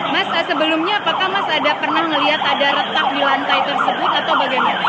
mas sebelumnya apakah mas ada pernah melihat ada retak di lantai tersebut atau bagaimana